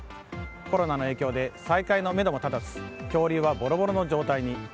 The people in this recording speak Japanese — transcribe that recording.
コロナの影響で再開のめども立たず恐竜はボロボロの状態に。